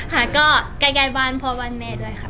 ค่ะก็ใกล้บ้านพ่อบ้านแม่ด้วยค่ะ